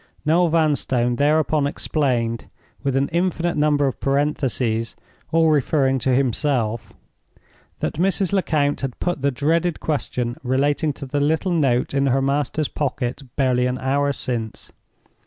Noel Vanstone thereupon explained—with an infinite number of parentheses all referring to himself—that Mrs. Lecount had put the dreaded question relating to the little note in her master's pocket barely an hour since.